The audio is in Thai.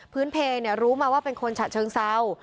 เพลงรู้มาว่าเป็นคนฉะเชิงเศร้า